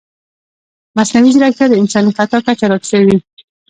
مصنوعي ځیرکتیا د انساني خطا کچه راټیټوي.